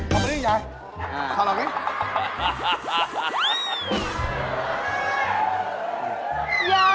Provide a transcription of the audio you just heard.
ขอบคุณด้วยยาย